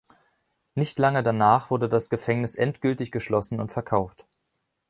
Nicht lange danach wurde das Gefängnis endgültig geschlossen und verkauft.